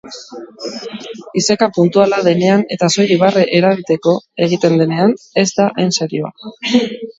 Iseka puntuala denean eta soilik barre erabiteko egiten denean, ez da hain serioa.